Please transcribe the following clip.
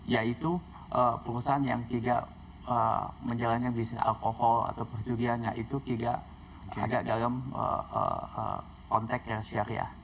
yaitu perusahaan yang tidak menjalankan bisnis alkohol atau perjudiannya itu tidak ada dalam konteks dan syariah